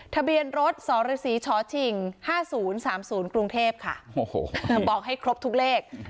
ทะเบียนรถสรศรีชชิง๕๐๓๐กรุงเทพค่ะบอกให้ครบทุกเลข